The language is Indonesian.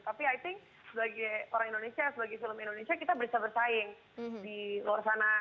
tapi i think sebagai orang indonesia sebagai film indonesia kita bisa bersaing di luar sana